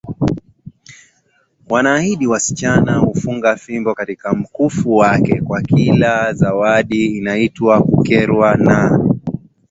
wanaahidi zawadi Msichana hufunga fimbo katika mkufu wake kwa kila zawadiInaitwa enkariwa na